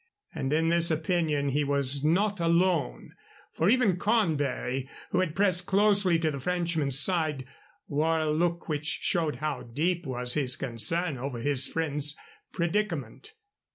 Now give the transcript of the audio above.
And in this opinion he was not alone, for even Cornbury, who had pressed closely to the Frenchman's side, wore a look which showed how deep was his concern over his friend's predicament.